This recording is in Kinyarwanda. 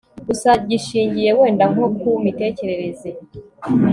gusa gishingiye wenda nko ku mitekerereze